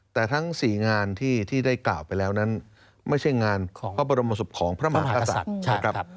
แต่ทั้งสี่งานที่ที่ได้กล่าวไปแล้วนั้นไม่ใช่งานของพระบรมสุพธิ์ของพระหมากษัตริย์